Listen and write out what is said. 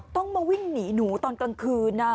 ต้องมาวิ่งหนีหนูตอนกลางคืนนะ